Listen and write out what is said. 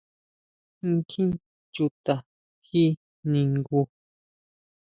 ¿ʼNkjin chuta ji ningu?